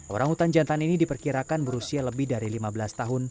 orang utan jantan ini diperkirakan berusia lebih dari lima belas tahun